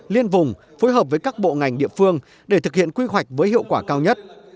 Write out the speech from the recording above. liên vùng phối hợp với các bộ ngành địa phương để thực hiện quy hoạch với hiệu quả cao nhất